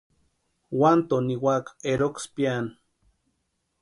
Uantoo niwaka eroksï piaani.